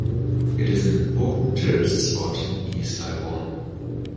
It is an important tourist spot in East Taiwan.